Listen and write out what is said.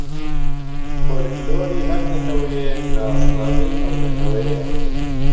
فۆلکلۆری هەر نەتەوەیێک ناسنامەی ئەو نەتەوەیە